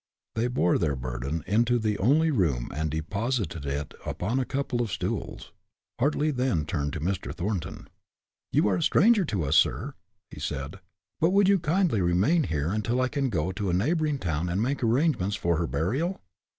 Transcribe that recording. They bore their burden into the only room and deposited it upon a couple of stools. Hartly then turned to Mr. Thornton. "You are a stranger to us, sir," he said, "but would you kindly remain here until I can go to a neighboring town and make arrangements for her burial?"